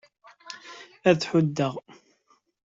Ad tt-huddeɣ.